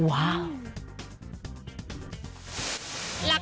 ว้าว